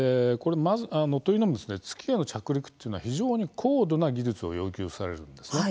というのも月への着陸というのは非常に高度な技術を要求されるんですね。